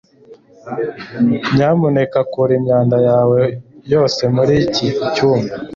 Nyamuneka kura imyanda yawe yose muri iki cyumba.